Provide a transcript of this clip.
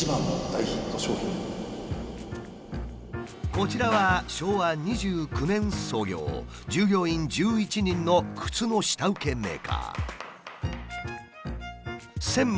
こちらは昭和２９年創業従業員１１人の靴の下請けメーカー。